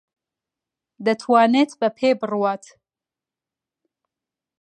دەتوانێت بە پێ بڕوات.